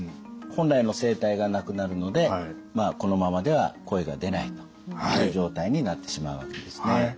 本来の声帯がなくなるのでこのままでは声が出ないという状態になってしまうわけですね。